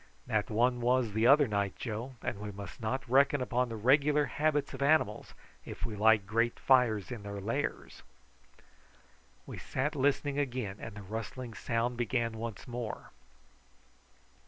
"That one was the other night, Joe, and we must not reckon upon the regular habits of animals if we light great fires in their lairs." We sat listening again, and the rustling sound began once more.